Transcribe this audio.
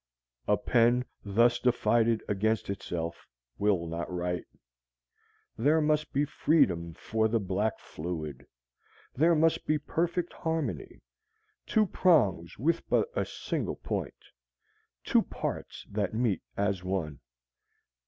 A pen thus divided against itself will not write. There must be freedom for the black fluid. There must be perfect harmony two prongs with but a single point, two parts that meet as one.